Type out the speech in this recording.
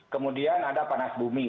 kemudian ada panas bumi